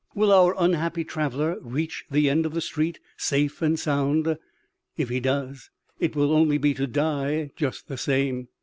Will our unhappy traveller reach the end of the street safe and sound ? If he does, it will only be to die, just the same.